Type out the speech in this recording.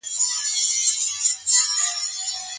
د ځیګر ناروغۍ درملنه څنګه کیږي؟